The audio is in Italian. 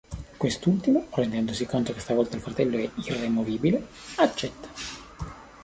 Quest'ultimo, rendendosi conto che stavolta il fratello è irremovibile, accetta.